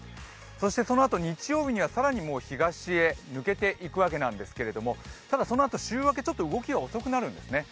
そしてそのあと日曜日には更に東へ抜けていくわけなんですけどただそのあと週明け、ちょっと動きが遅くなるんですね。